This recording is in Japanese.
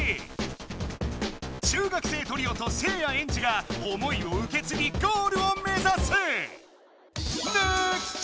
中学生トリオとせいやエンジが思いをうけつぎゴールを目指す！